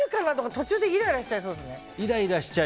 途中でイライラしちゃいそうですね。